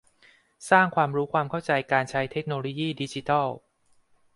สร้างความรู้ความเข้าใจการใช้เทคโนโลยีดิจิทัล